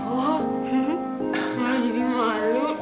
oh mau jadi malu